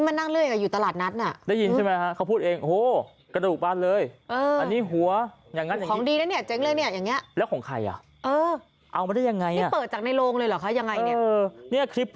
นั่นเอาสิฮะไปดูคลิปก่อนเลยครับ